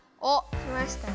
来ましたね。